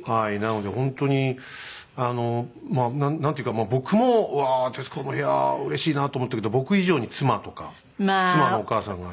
なので本当にあのなんていうか僕もうわー『徹子の部屋』うれしいな！と思ったけど僕以上に妻とか妻のお母さんが。